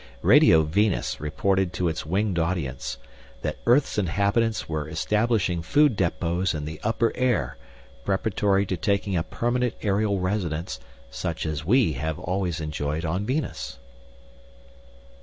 Radio Venus reported to its winged audience that Earth's inhabitants were establishing food depots in the upper air, preparatory to taking up permanent aerial residence "such as we have always enjoyed on Venus."